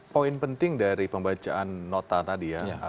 poin penting dari pembacaan nota tadi ya